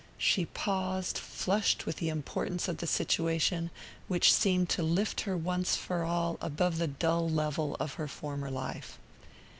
She paused, flushed with the importance of the situation, which seemed to lift her once for all above the dull level of her former life.